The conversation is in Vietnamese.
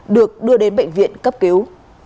được đưa đến bệnh viện cấp cứu